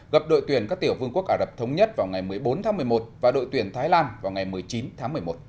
gặp đội tuyển các tiểu vương quốc ả rập thống nhất vào ngày một mươi bốn tháng một mươi một và đội tuyển thái lan vào ngày một mươi chín tháng một mươi một